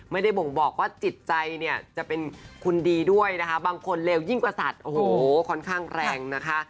ไม่ได้บ่งบอกว่าจิตใจเนี่ยจะเป็นคุณดีด้วยนะคะบางคนเลวยิ่งกว่าสัตว์โอ้โหค่อนข้างแรงนะคะ